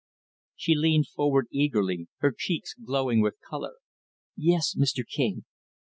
She leaned forward, eagerly, her cheeks glowing with color. "Yes, Mr. King."